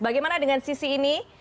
bagaimana dengan sisi ini